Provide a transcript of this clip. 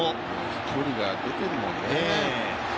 飛距離が出てるもんね。